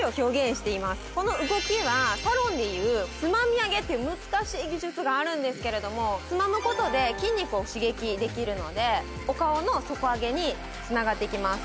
この動きはサロンでいうつまみあげっていう難しい技術があるんですけれどもつまむことで筋肉を刺激できるのでお顔の底上げにつながっていきます。